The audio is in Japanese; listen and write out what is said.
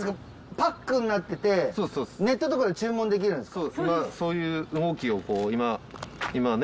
パックになっててネットとかで注文できるんですか？